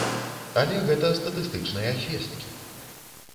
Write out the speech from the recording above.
Але гэта статыстычныя звесткі.